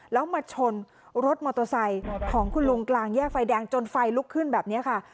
แล้วมาชนรถมอเตอร์ไซค์ของคุณลุงกลางแยกไฟแดงจนไฟลุกขึ้นแบบนี้ค่ะ